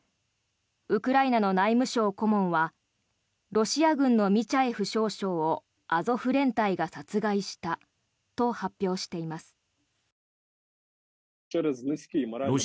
ウクライナの内務省顧問はロシア軍のミチャエフ少将をアゾフ連隊が殺害したと発表しています。